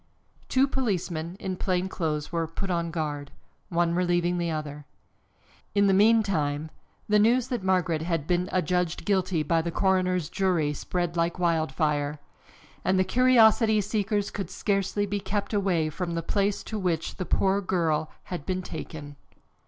Two policemen, in plain clothes, were put on guard, one relieving the other. In the meantime the news that Margaret had been adjudged guilty by the coroner's jury spread like wild fire, and the curiosity seekers could scarcely be kept away from the place to which the poor girl had been taken.